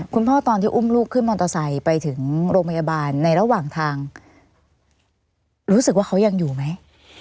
คุณพ่อตอนที่อุ้มลูกขึ้นมอเตอร์ไซค์ไปถึงโรงพยาบาลในระหว่างทางรู้สึกว่าเขายังอยู่ไหม